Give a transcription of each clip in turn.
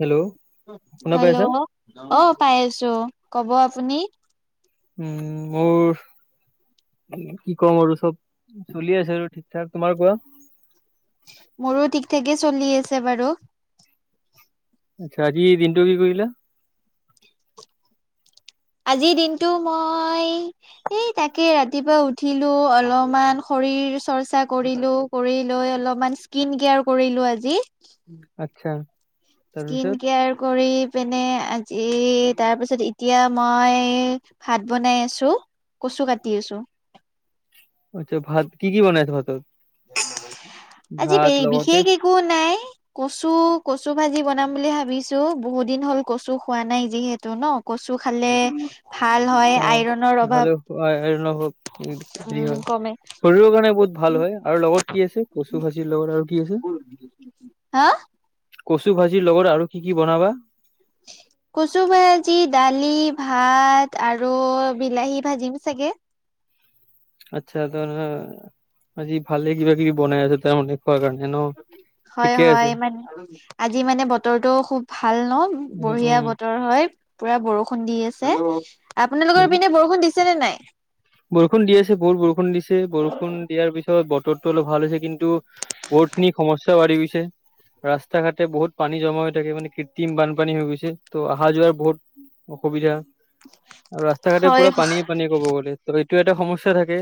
Hello শুনা hello পাইছা? অ' পাই আছো ক'ব আপুনি। উম, মোৰ কি কম আৰু চব। চলি আছে আৰু ঠিক ঠাক, তোমাৰ কোৱা। মোৰো ঠিক ঠাকে চলি আছে বাৰু। আচ্ছা আজি দিনটো কি কৰিলা? আজিৰ দিনটো মই এই তাকে ৰাতিপুৱা উঠিলো, অলপমান শৰীৰ চৰ্চা কৰিলো। কৰি লৈ অলপমান স্কিন কেয়াৰ কৰিলো আজি। আচ্ছা। স্কিন তাৰপিছত কেয়াৰ কৰি পিনে এই তাৰপিছত এতিয়া মই ভাত বনাই আছো। কচু কাটি আছো। আচ্ছা ভাত কি কি বনাই আছা ভাতত? আজি ভাত লগতে বিশেষ একো নাই। কচু কচু ভাজি বনাম বুলি ভাবিছো বহুত দিন হল কচু খোৱা নাই যিহেতু ন। কচু খালে ভাল হয় অ আইৰনৰ অভাৱ ভালে আইৰণ হওক, হেৰি উম হয় কমে। শৰীৰৰ কাৰণে বহুত ভাল হয়। আৰু লগত কি আছে কচু ভাজিৰ লগত আৰু কি আছে? হা কচু ভাজিৰ লগত আৰু কি কি বনাবা? [inaudible] কচু ভাজি দালি ভাত আৰু বিলাহী ভাজিম চাগে। আচ্ছা ত' আজি ভালে কিবা কিবি বনাই আছে তাৰমানে। [inaudible] হয়, ঠিকে আছে। হয় মানে আজি মানে বতৰটো খুব ভাল ন উম বঢ়িয়া উম বতৰ। হয় পুৰা বৰষুণ দি আছে। আপোনালোকৰ পিনে বৰষুণ দিছে নে নাই? বৰষুণ দি আছে বহুত বৰষুণ দিছে। বৰষুণ দিয়াৰ পিছত বতৰটো অলপ ভাল হৈছে। কিন্তু বহুতখিনি সমস্যা বাঢ়ি গৈছে। ৰাস্তা ঘাটে বহুত পানী জমা হৈ থাকে মানে কৃত্ৰিম বানপানী হৈ গৈছে। ত' অহা যোৱাৰ বহুত অসুবিধা আৰু ৰাস্তা ঘাটে হয় পুৰা পানীয়ে পানীয়ে ক'ব গ'লে। ত' এইটো এটা সমস্যা থাকে।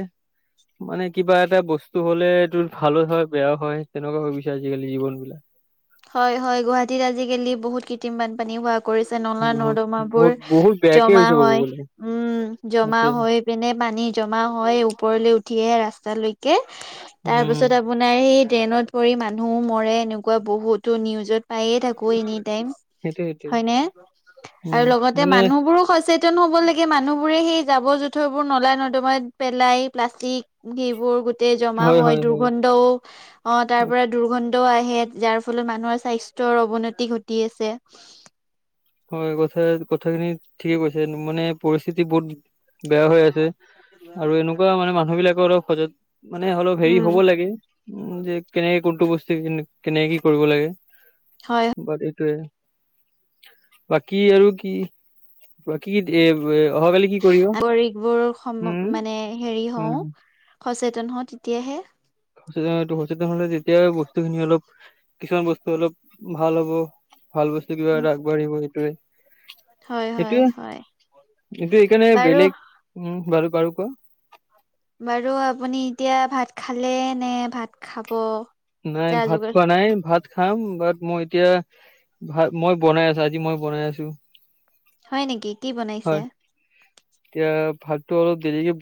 মানে কিবা এটা বস্তু হ'লে এইটো ভালো হয় বেয়াও হয় তেনেকুৱা হৈ পৰিছে আজিকালি জীৱনবিলাক। হয়, হয় গুৱাহাটীত আজিকালি বহুত কৃত্ৰিম বানপানী হোৱা কৰিছে নলা বহুত নৰ্দমাবোৰ বহুত বহুত বেয়াকে জমা হৈছে ক'ব হয় গ'লে উম জমা সেইটোৱে হয় পিনে পানী জমা হয় ওপৰলৈ উঠি আহে ৰাস্তালৈকে। তাৰ উম পাছত আ আপোনাৰ সেই ট্ৰেইনত পৰি মানুহো মৰে এনেকুৱা বহুতো নিউজত পায়ে থাকো এনি টাইম। সেইটোৱে সেইটোৱে হয়নে? আৰু উম লগতে মানে মানুহবোৰো সচেতন হ'ব লাগে। মানুহবোৰে সেই জাবৰ জোঁথৰবোৰ নলা নৰ্দমাত পেলাই প্লাষ্টিক সেইবোৰ গোটেই জমা হয় দুৰ্গন্ধও, অ' তাৰ পৰা দুৰ্গন্ধও আহে যাৰ ফলত মানুহৰ স্বাস্থ্যৰ অৱনতি ঘটি আছে। হয় কথা কথাখিনি ঠিকে কৈছে মানে পৰিস্থিতি বহুত বেয়া হৈ আছে আৰু এনেকুৱা মানে মানুহ বিলাকৰ অলপ সজাগ মানে অলপ হেৰি উম হ'ব লাগে উম যে কেনেকে কোনটো বস্তু কেনেকে কি কৰিব লাগে হয়। বাট এইটোৱে বাকী আৰু কি? বাক কি- অহাকালি কি কৰিব নাগৰিকবোৰ সম উম' মানে হেৰি হওঁ উম' সচেতন হওঁ তেতিয়াহে সচেতনটো সচেতন হলে যেতিয়া বস্তুখিনি অলপ কিছুমান বস্তু অলপ ভাল হ'ব, ভাল বস্তু কিবা উম এটা আগবাঢ়িব সেইটোৱে। হয় হয় এইটোয়ে হয় এইটো কাৰণে বাৰু বেলেগ উ' বাৰু। বাৰু কোৱা বাৰু আপুনি এতিয়া ভাত খালে নে ভাত খাব? নাই যা ভাত যোগাৰ খোৱা নাই। ভাত খাম, বাট মই এতিয়া ভা মই বনাই আছো আজি মই বনাই আছো। হয় নেকি, কি বনাইছে? হয় এতিয়া ভাতটো অলপ দেৰিকে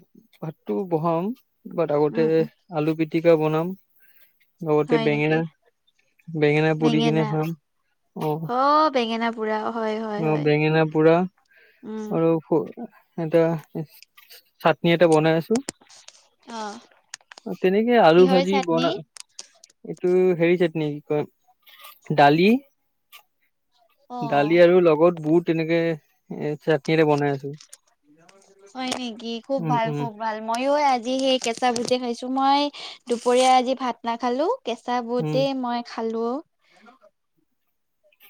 ভাতটো বহাম। বাট আগতে, উম উম আলু পিটিকা বনাম। লগতে হয় নেকি বেঙেনা, বেঙেনা পুৰি কিনে খাম। অহ' অ বেঙেনা পুৰা হয় হয় আ হয় বেঙেনা পোৰা উম আৰু স-এটা চা- চাটনি এটা বনাই আছো তেনেকে আলু কিহৰ ভাজি চাটনি বনা এইটো হেৰি চাটনি কি কয়, দালি অ দালি আৰু লগত বুট এনেকে এ চা হয় নেকি? খুব উম ভাল উম খব ভাল ময়ো আজি সেই কেঁচা বুটে খাইছো। মই দুপৰীয়া আজি ভাত নাখালো। কেঁচা উম বুটেই মই খালোঁ।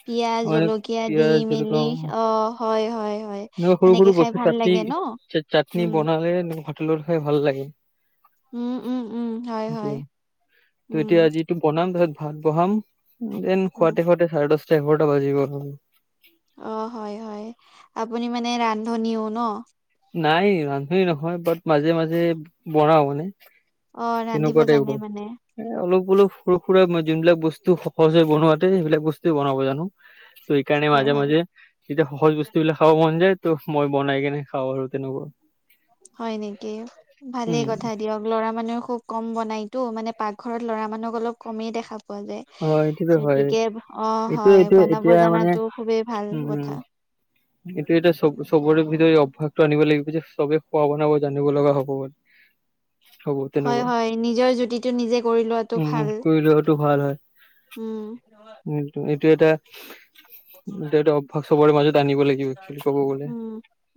পিয়াজ, অ জলকীয়া দি পিয়াজ মেলি জলকীয়া অ' হয় হয় হয়। এনেকুৱা সৰু সেনেকে সৰু খাই বস্তু ভাল লাগে ন চাটনি- চাটনি উম বনালে ভাতৰ লগত খাই ভাল লাগে। উম উম উম হয় হয় সেইটোৱে উম ত'এতিয়া আজি এইটো বনাম তাৰ পাছত ভাত বঢ়াম। দেন উম খুৱাওতে খুৱাওতে চাৰে দশটা এঘাৰটা বাজি গ'ল হ'ল। অ' হয় হয়। আপুনি মানে ৰান্ধনীও ন? নাই ৰান্ধনী নহয়, বাট মাজে মাজে বনাও মানে অ ৰান্ধিব তেনেকুৱা জানে টাইপৰ, মানে এ- অলপ অলপ সৰু সুৰা মা যোনবিলাক বস্তু সজে বনোৱাতে সেইবিলাক বস্তু বনাব জানো। ত' সেইকাৰণে হয় মাজে হয় মাজে তেতিয়া সহজ বস্তু বিলাক খাব মন যায়। ত' মই বনাই কেনে খাওঁ আৰু তেনেকুৱা হয় নেকি? উম ভালেই কথা দিয়ক। ল'ৰা মানুহে খুব কম বনাইতো, মানে পাকঘৰত ল'ৰা মানুহক অলপ কমেই দেখা পোৱা যায়। অ এইটোতো হয় যতিকে অ' এইটো হয় এইটো বনাব এতিয়া মানে জানাটো খুবেই ভাল কথা। সেইটো এটা চব চবৰে ভিতৰত এই অভ্যাসটো আনিব লাগিব যে চবে খোৱা বনাব জানিব লগা হ'ব গৈ [inaudible] হয় হয়। নিজৰ জুতিটো নিজে কৰি লোৱাটো উম ভাল। কৰি উম'- উ'- এইটো এটা, এইটো এটা অভ্যাস চবৰে মাজত আনিব লাগিব ক'ব গ'লে উম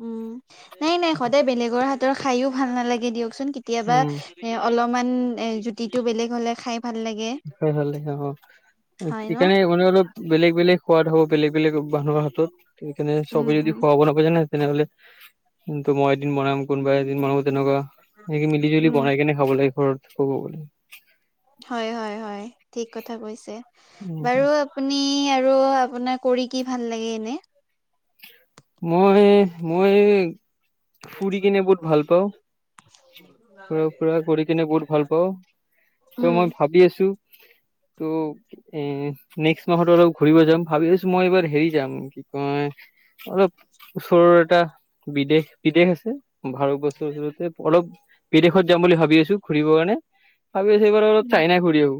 উম'- নাই নাই সদায় বেলেগৰ হাতৰ খাইও ভাল নালাগে দিয়কচোন কেতিয়াবা উম এ' অলপমান এ'- জুতিতটো বেলেগ হ'লে খাই ভাল লাগে। খাই ভাল লাগে অ'- হয় ন এইকাৰণে অলপ অলপ বেলেগ বেলেগ সোৱাদ হ'ব, বেলেগ বেলেগ মানুহৰ তত সেইকাৰণে উম চবে যদি উম খুৱাব ন? বুজা নাই তেনেহলে, কিন্তু মই এদিন বনাম কোনোবাই এদিন বনাব তেনেকুৱা। সেনেকে মিলি জুলি উম বনাই কিনে খাব লাগিব আৰু ক'ব গলে হয়, হয়, হয়। ঠিক কথা কৈছে, উম বাৰু আ আপুনি আৰু আপোনা কৰি কি ভাল লাগে এনেই? মই মই ফুৰি কিনে বহুত ভাল পাওঁ। ফুৰা ফুৰা কৰি কিনে বহুত ভাল পাওঁ। ত' উম মই ভাবি আছো তো, এ নেক্সট মাহত অলপ ঘুৰিব যাম, ভাবি আছো মই এইবাৰ হেৰি যাম, কি কয় অলপ ওচৰৰ এটা বিদেশ, বিদেশ আছে। ভাৰত [unintelligible] অলপ বিদেশত যাম বুলি ভাবি আছো, ঘুৰিবৰ কাৰণে। ভাবি আছো এইবাৰ অলপ চাইনাই ঘুৰি আহো।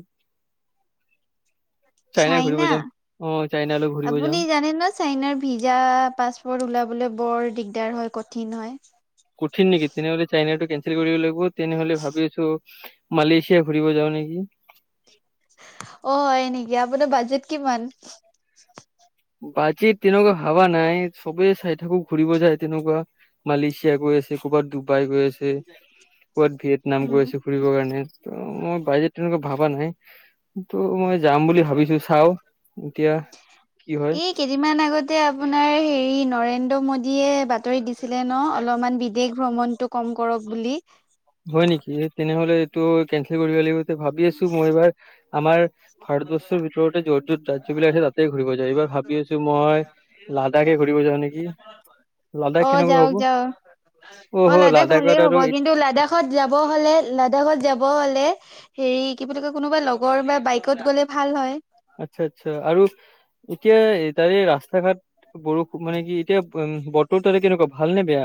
ঘূৰিব চাইনা? যাম অ চাইনালৈ ঘূৰিব যাম আপুনি জানে ন চাইনাৰ ভিজা, পাছপৰ্ট ওলাবলে বৰ দিগদাৰ হয়, কঠিন হয়। কঠিন নেকি? তেনেহলে চাইনাটো কেনচেল কৰিব লাগিব। তেনেহলে ভাবি আছো মালয়েছিয়া ঘুৰিব যাও নেকি অ', হয় নেকি, আপোনাৰ বাজেট কিমান? বাজেট তেনেকুৱা ভাৱা নাই, চবে চাই থাকো ঘুৰিব যাই তেনেকুৱা। মালয়েছিয়া গৈ ক'বাত ডুবাই গৈ আছে, ক'বাত ভিয়েটনাম উম গৈ আছে ফুৰিবৰ কাৰণে ত' মই বাজেট তেনেকুৱা ভাবা নাই। কিন্তু মই যাম বুলি ভাবিছো চাও, এতিয়া কি হয় [inaudible] কেইদিনমান আগতে আপোনাৰ হেৰি নৰেন্দ্ৰ মোদীয়ে বাতৰি দিছিলে ন' অলপমান বিদেশ ভ্ৰমণ টো কম কৰক বুলি। হয় নেকি? তেনেহ'লে এইটোও কেনচেল কৰিব লাগিব। ভাবি আছো মই এইবাৰ আমাৰ ভাৰতবৰ্ষৰ ভিতৰতে যত-যত ৰাজ্যবিলাক আছে তাতে ঘুৰিব যায় এইবাৰ ভাবি আছো মই লাডাখে ঘুৰিব যাওঁ নেকি? অ লাডাখ কেনেকুৱা যাওক হ'ব? যাওক অ অহো, লাডাখ ভালেই লাডাখত হ'ব আৰু কিন্তু লাডাখত যাব হ'লে, লাডাখত যাব হ'লে, হেৰি কি বুলি কয়, কোনোবা লগৰ বা বাইক কত গ'লে ভাল হয়। আটচ্ছা, আটচ্ছা। আৰু এতিয়া তাৰে ৰাস্তা ঘাট বৰষুণ মানে কি, এতিয়া উম, বতৰটো তাৰে কেনেকুৱা? ভাল নে বেয়া?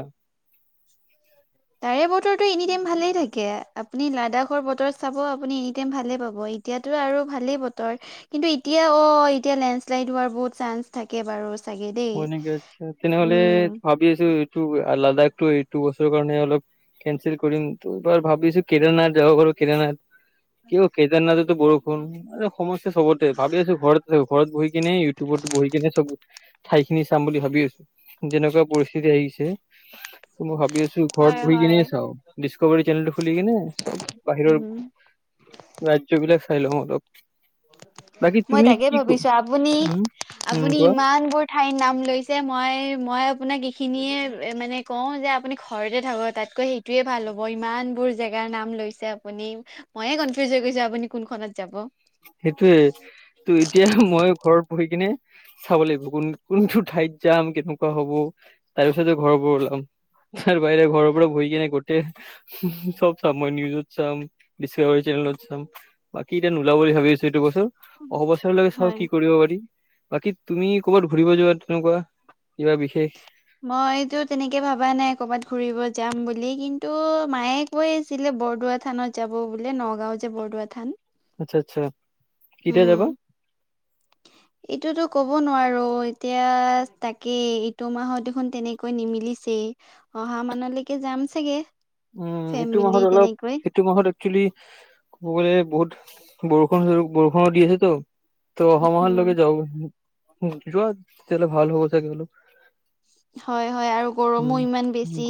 তাৰে বতৰটো এনি টাইম ভালে থাকে, আপুনি লাডাখৰ বতৰ চাব আপুনি এনি টাইম ভালে পাব। এতিয়াতো আৰু ভালেই বতৰ। কিন্তু এতিয়া অ', এতিয়া লেণ্ডশ্লাইড হোৱাৰ বহুত চান্স থাকে বাৰু চাগে দেই হয় নেকি? আটচ্ছা। তেনেহ'লে উম ভাবি আছো এইটো, লাডাখটো এইটো বছৰৰ কাৰণে অলপ কেনচেল কৰিম ত'এইবাৰ ভাবিছো কেদাৰনাথ যাও কেদানাথ কিয় কেদাৰনাথতো বৰষুণ, আৰে সমস্যা চবতে ভাবি আছো ঘৰত ঘৰত বহি কিনে, ইউটিউবত বহি কিনে চব ঠাই খিনি চাম বুলি ভাবি আছো। যেনেকুৱা পৰিস্থিতি আহিছে মই ভাবি আছো ঘৰত হয় বহি হয় কিনে চাও। ডিস্কোভাৰী চেনেলটো খুলিকিনে, চব বাহিৰৰ উম ৰাজ্যবিলাক চাই লওঁ অলপ। বাকী মই তুমি তাকে কি ক ভাবিছো, আপুনি উম, উম, আপুনি কোৱা ইমানবোৰ ঠাই নাম লৈছে মই মই আপোনাক এইখিনিয়ে মানে কওঁ যে আপুনি ঘৰতে থাকক তাতকৈ সেই টোৱে ভাল হ'ব। ইমানবোৰ জেগাৰ নাম লৈছে আপুনি। মইয়ে কনফিউজ হৈ গৈছো আপুনি কোনখনত যাব। সেইটোয়ে। তো এতিয়া মই ঘৰত বহি কিনে চাব লাগিব। কোন-কোনটো ঠাইত যাম, কেনেকুৱা হ'ব, তাৰ পিছতে ঘৰৰ পৰা ওলাম। তাৰ বাহিৰে ঘৰৰ পৰা বহি কিনে গোটেই [unintelligible] চব চাম মই, নিউজত চাম, ডিস্কোভাৰী চেনেলত চাম। বাকী এতিয়া নোলাব বুলি ভাব [unintelligible] এইটো বছৰ। অহা বছৰ লৈ চাওঁ হয়। কি কৰিব পাৰি। বাকী তুমি ক'বাত ঘুৰিব যোৱা তেনেকুৱা, কিবা বিশেষ? মইতো তেনেকে ভাবা নাই ক'বাত ঘুৰিব যাম বুলি। কিন্তু মায়ে কৈ আছিলে বৰদোৱা থানত যাব বোলে। নগাঁও যে বৰদোৱা থান। আচ্ছা, আচ্ছা, কিতিয়া উম যাবা? এইটোতো ক'ব নোৱাৰো, এতিয়া তাকেই ইটো মাহত দেখোন তেনেকে কৈ নিমিলিছেই। অহা মানলৈকে যাম চাগে। উম। ইটো ফেমিলি মাহত অলপ তেনেকৈ। ইটো মাহত একচুলি ক'ব গলে বহুত বৰষুণ-বৰষুণ দি আছেতো। তো অহামাহৰ উম, লৈকে যাও যোৱাত জালে ভাল হব চাগে বোলো। হয়, হয়, আৰু গৰমো ইমান গ বেছি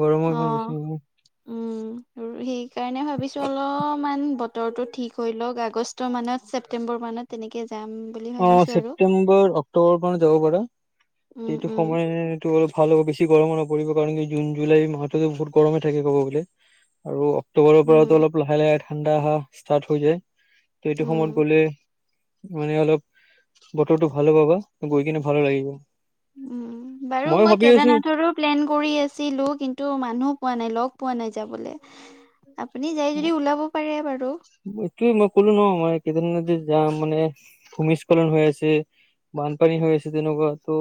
গৰমৰ ইমান বেছি অ'। [inaudible] সেই কাৰণে ভাবিছো অলপমান বতৰটো ঠিক হৈ লওক আগষ্টৰ মানত ছেপ্তেম্বৰ মানত। তেনেকে যাম। বুলি অ' ভাবিছো আৰু ছেপটেম্বৰ অক্টোবৰৰ পৰা যাব পাৰে উম যটো উম সময় মইটো অল ভাল হ'ব বেছি গৰমো নপৰিব কাৰণ কি জুন জুলাই মাহটোতো বহুত গৰমে থাকে ক'বোলে। [inaudible] আৰু অক্টোবৰৰ উম পৰাতো অলপ লাহে লাহে ঠাণ্ডা অহা ষ্টাৰ্ট হৈ যায়। ত' এইটো উম সময়ত গ'লে মানে অলপ বতৰটো ভাল পাবা গৈ কিনে ভাল লাগিব। উম, বাৰু মই ভাবি আছো কেদাৰনাথৰো প্লেন কৰি আছিলো কিন্তু মানুহো পোৱা নাই লগ পোৱা নাই যাবলৈ। আপুনি যাই অ যদি ওলাব পাৰে বাৰু এইটোয়ে মই ক'লো নহ মই কেদাৰনাথে যাম মানে ভূমিস্খলন হৈ আছে। বানপানী হৈ আছে তেনেকুৱা তো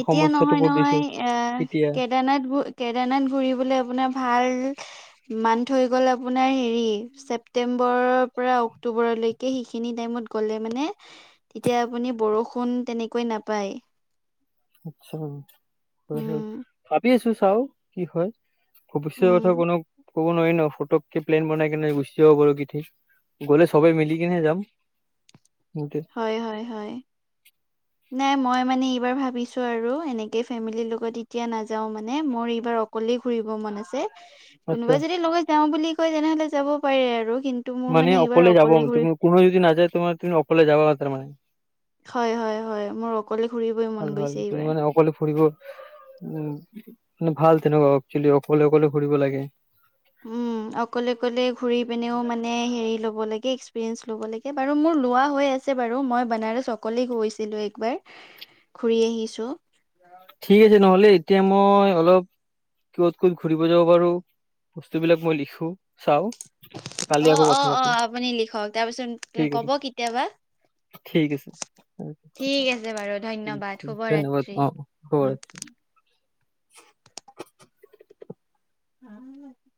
এতিয়া নহয় নহয় আহ কেতিয়া কেদাৰনাথ ব কেদনাথ ঘুৰিবলৈ আপোনাৰ ভাল মান্থ হৈ গ'ল আপোনাৰ হেৰি ছেপটেম্বৰৰ পৰা অক্টোবৰলৈকে। সেইখিনি টাইমত গ'লে মানে তেতিয়া আপুনি বৰষুণ তেনেকৈয় নাপায়। আচছা হয়, হয় উম, ভাবি আছো চাও কি হয়। ভৱিষ্যৰ কথা উম, কোনো ক'ব নোৱাৰি ন ফটককে প্লেন বনাই কিনে গুচি যাব পাৰু কিঠিক গ'লে সবে মিলি কেনে যাম। সেইটোৱে। হয়, হয়, হয়। [inaudible] নাই মই মানে এইবাৰ ভাবিছো আৰু এনেকে ফেমিলিৰ লগত এতিয়া নাযাও মানে মোৰ এইবাৰ অকলে ঘুৰিব মন আছে আচ্ছা কোনোবাই যদি লগত যাওঁ বুলি কয় তেনেহলে যাব পাৰে আৰু কিন্তু টো মোৰ মানে এইবাৰ অকলে ঘূৰি কোনো যদি নাযায় তোমাৰ তুমি অকলে যাব তাৰমানে। হয়, হয়, হয়, মোৰ অকলে ঘুৰিবই ভাল মন ভাল গৈছে তুমি এইবাৰ। মানে অকলে ফুৰিব উ, কিন্তু ভাল তেনেকুৱা এক্সলি অকলে অকলে ঘুৰিব লাগে। উম। অকলে কলে ঘুৰি পিনেও মানে হেৰি ল'ব লাগে এক্সপিৰিয়েন্ঞ্চ ল'ব লাগে বাৰু মোৰ লোৱা হৈ আছে। আছে বাৰু মই বনাৰস অকলেই গৈছিলো একবাৰ ঘুৰি আহিছো। ঠিক আছে নহ'লে এতিয়া মই অলপ ক'ত ক'ত ঘূৰিব যাব পাৰো বস্তুবিলাক মই লিখো চাওঁ। অ', অ', অ', আপুনি লিখক তাৰপিছত ঠিক আছে কব কেতিয়াবা। ঠিক আছে ঠিক আছে বাৰু ধন্যবাদ ধন্যবাদ শুভৰাত্ৰি। অ' উম। হব। [inaudible]